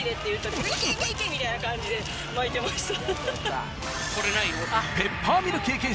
みたいな感じで巻いてました。